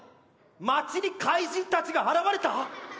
街に怪人たちが現れた！？